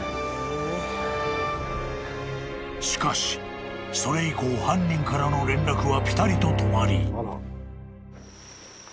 ［しかしそれ以降犯人からの連絡はぴたりと止まり］